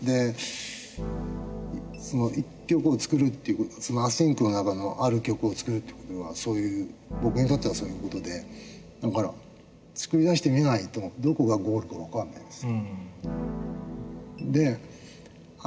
その１曲を作るってその「ａｓｙｎｃ」の中のある曲を作るという事は僕にとってはそういう事でだから作り出してみないとどこがゴールか分かんないんです。